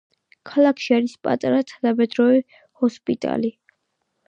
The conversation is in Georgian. ქალაქში არის პატარა, თანამედროვე ჰოსპიტალი.